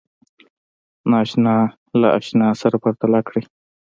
ناآشنا له آشنا سره پرتله کړئ